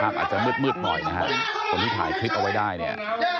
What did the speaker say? อาจจะมืดหน่อยคนที่ถ่ายคลิปเอาไว้ได้